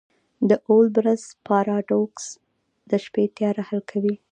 د اولبرس پاراډوکس د شپې تیاره حل کوي.